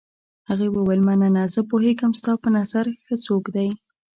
هغې وویل: مننه، زه پوهېږم ستا په نظر ښه څوک دی.